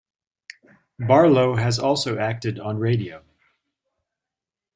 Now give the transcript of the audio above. Barlow has also acted on radio.